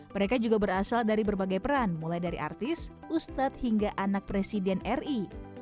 mereka juga berasal dari berbagai peran mulai dari artis ustadz hingga anak presiden ri